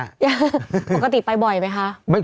ยังปกติไปบ่อยไหมคะ